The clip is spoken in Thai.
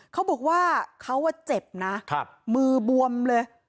เขาบอกว่าเขาเจ็บนะมือบวมเลย